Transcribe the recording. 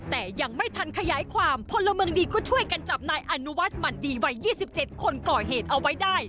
แต่ยังไม่ทันขยายความพลเมืองดีก็ช่วยกันจับนายอนุวัฒน์หมั่นดีวัย๒๗คนก่อเหตุเอาไว้ได้